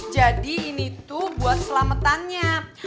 jadi ini tuh buat selamatannya